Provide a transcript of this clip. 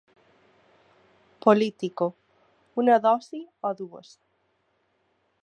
Politico: Una dosi o dues?